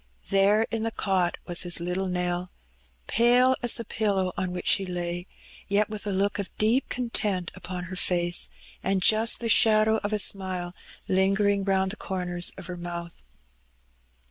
There in the cot was his little Nell, pale as the pillow on which she lay, yet with a look of deep content upon her face, and just the shadow of a smile lingering round the comers of her mouth.